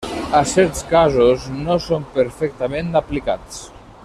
A certs casos, no són perfectament aplicats.